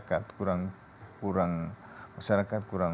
kurang kurang masyarakat kurang menyukai kurang menerima